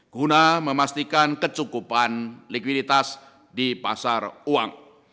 guna memastikan kecukupan likuiditas di pasar uang